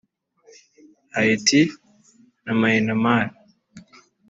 Haiti na Myanmar